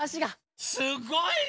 すごいね。